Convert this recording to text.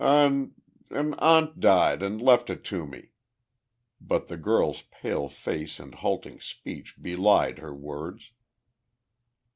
"An an aunt died and left it to me," but the girl's pale face and halting speech belied her words.